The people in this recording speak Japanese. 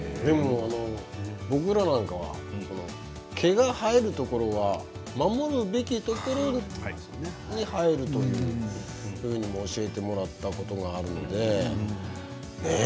僕らは毛が生えるところは守るべきところに生えるというふうに教えてもらったことがあるので。